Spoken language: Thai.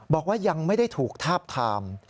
บอกว่ายังไม่ได้ถูกทาบทาม